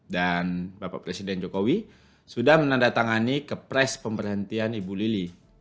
dan bapak presiden jokowi sudah menandatangani kepres pemberhentian ibu lili